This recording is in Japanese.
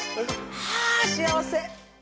はぁ幸せ